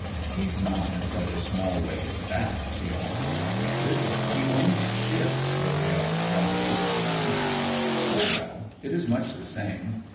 'He's not in such a small way as that!' she almost pleaded. 'He owns ships, though they are rather little ones!' 'O, well, it is much the same.